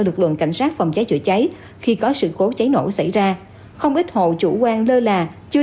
lực lượng cảnh sát phòng cháy chữa cháy khi có sự cố cháy nổ xảy ra không ít hộ chủ quan lơ là chưa